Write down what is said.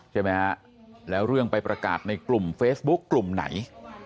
ใช่ไหมฮะแล้วเรื่องไปประกาศในกลุ่มเฟซบุ๊คกลุ่มไหน